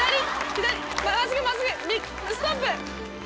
真っすぐ真っすぐストップ。